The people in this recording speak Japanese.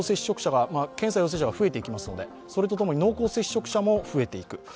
検査陽性者が増えていきますので、それとともに濃厚接触者も増えていく。